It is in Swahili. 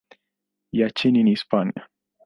ya nchini Hispania.